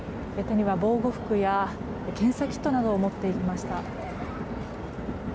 手には防護服や検査キットなどを持っていました。